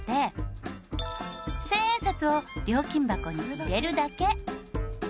１０００円札を料金箱に入れるだけ。